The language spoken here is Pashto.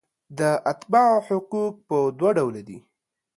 د اتباعو حقوق په دوه ډوله دي.